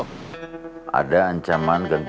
tidak ada yang tahu